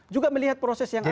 juga melihat proses yang ada